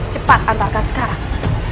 cepat antarkan sekarang